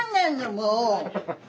もう。